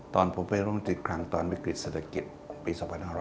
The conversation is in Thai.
ตอนผมไปลงที่กลางตอนวิกฤติศาสตรกิจปี๑๙๔๑